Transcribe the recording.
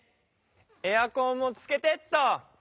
エアコンもつけてっと。